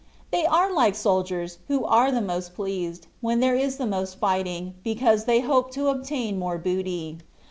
They are like soldiers, who are the most pleased, when there is the most fighting, because they hope to obtain more booty